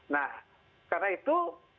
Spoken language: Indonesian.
nah karena itu